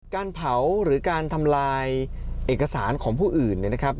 การเผาหรือการทำลายเอกสารของผู้อื่นเนี่ยนะครับ